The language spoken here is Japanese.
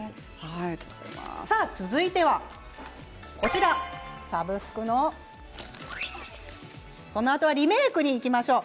続いてはサブスクのそのあとはリメークにいきましょう。